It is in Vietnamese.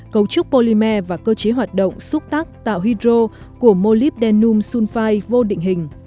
cấu trúc polymer và cơ chế hoạt động xúc tác tạo hydro của molybdenum sulfide vô định hình